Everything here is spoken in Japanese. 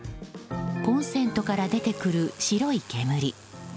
コンセントから出てくる白い煙。